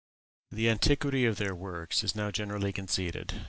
The antiquity of their works is now generally conceded.